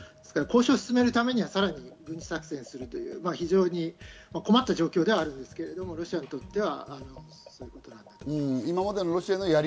交渉を進めるためにはさらに軍事作戦をするという非常に困った状況ではあるんですけれども、ロシアにとってはそういうことなんだと思います。